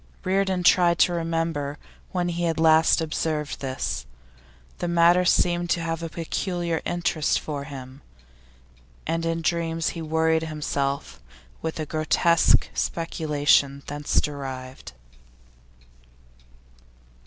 Reardon tried to remember when he had last observed this; the matter seemed to have a peculiar interest for him, and in dreams he worried himself with a grotesque speculation thence derived.